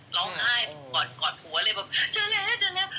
ร้องไห้กอดหัวเลยแบบเจอแล้ว